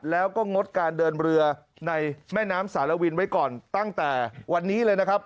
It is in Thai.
แล้วก็งดการเดินเรือในแม่น้ำสารวินไว้ก่อนตั้งแต่วันนี้เลยนะครับ